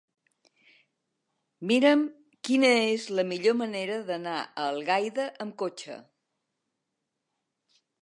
Mira'm quina és la millor manera d'anar a Algaida amb cotxe.